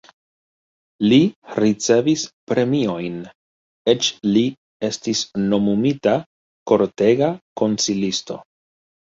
Li ricevis premiojn, eĉ li estis nomumita kortega konsilisto.